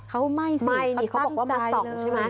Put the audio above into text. เขาไม่สิตั้งใจเลยไม่เขาบอกว่ามาส่องใช่ไหม